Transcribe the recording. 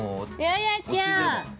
ややちゃん。